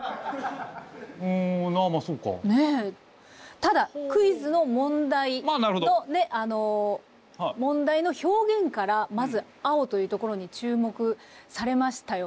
ただクイズの問題の問題の表現からまず青というところに注目されましたよね。